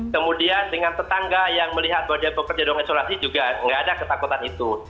kemudian dengan tetangga yang melihat bahwa dia bekerja di ruang isolasi juga nggak ada ketakutan itu